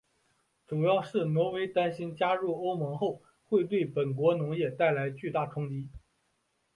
主要是挪威担心加入欧盟后会对本国农业带来巨大的冲击。